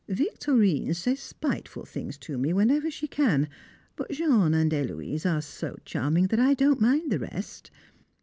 Victorine says spiteful things to me whenever she can, but Jean and Héloise are so charming that I don't mind the rest.